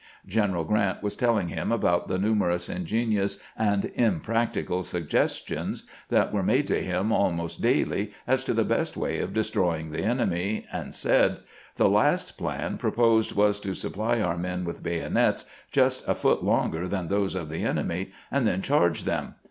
General Grant was telling him about the numerous in genious and impracticable suggestions, that were made to him almost daily as to the best way of destroying the enemy, and said :" The last plan proposed was to supply our men with bayonets just a foot longer than those of the enemy, and then charge them.